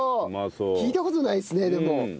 聞いた事ないですねでも。